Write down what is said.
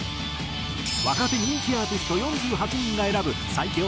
若手人気アーティスト４８人が選ぶ最強